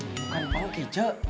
bukan pengki cek